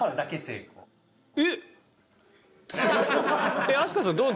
えっ！